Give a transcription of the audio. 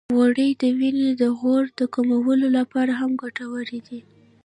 غوړې د وینې د غوړ د کمولو لپاره هم ګټورې دي.